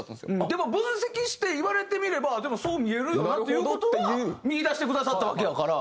でも分析して言われてみればでもそう見えるよなっていう事は見いだしてくださったわけやから。